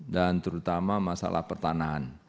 dan terutama masalah pertanahan